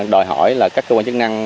đòi hỏi là các cơ quan chức năng